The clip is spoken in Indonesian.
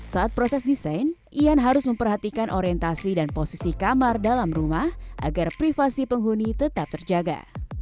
saat proses desain ian harus memperhatikan orientasi dan posisi kamar dalam rumah agar privasi penghuni tetap terjaga